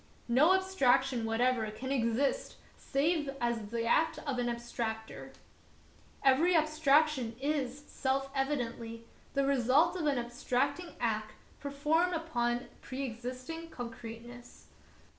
No abstraction whatever can exist save as the act 'of an abstractor. Every abstraction is, self evidently, the result of an abstracting act performed upon a preexistent concreteness.